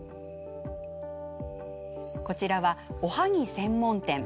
こちらは、おはぎ専門店。